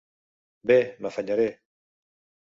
Bé, m'afanyaré.